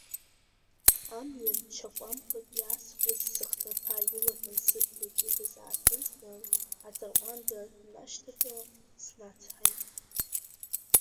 Амҩан ча куамԥак иаасхуаз сыхҭырԥа илаҳәан сыбӷа икыдыз ааҭызган, аӡырҟуанда нашьҭаҵо, снацҳаит.